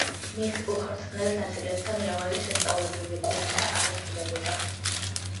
მის უხრწნელ ნაწილებთან მრავალი სასწაულებრივი კურნება აღესრულებოდა.